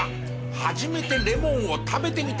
初めてレモンを食べてみた。